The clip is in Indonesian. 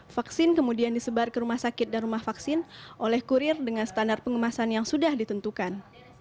vaksin kemudian disebar ke rumah sakit dan rumah vaksin oleh kurir dengan standar pengemasan yang sudah ditentukan